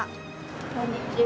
こんにちは。